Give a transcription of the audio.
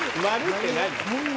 ○って何？